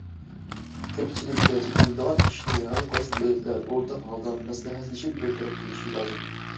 كۆپچىلىككە چېتىلىدىغان ئىشنى ھەر قايسى دۆلەتلەر ئورتاق ھالدا مەسلىھەتلىشىپ بىر تەرەپ قىلىشى لازىم.